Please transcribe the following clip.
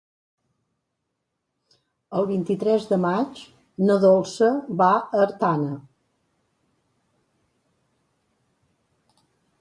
El vint-i-tres de maig na Dolça va a Artana.